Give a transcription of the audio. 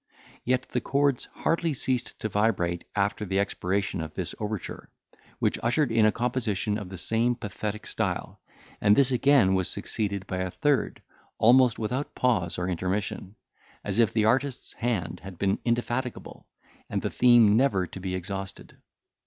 Yet the chords hardly ceased to vibrate after the expiration of this overture, which ushered in a composition in the same pathetic style; and this again was succeeded by a third, almost without pause or intermission, as if the artist's hand had been indefatigable, and the theme never to be exhausted.